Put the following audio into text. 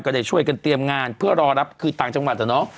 ได้ช่วยกันเตรียมงานเพื่อรอรับคือต่างจังหวัดอะเนาะ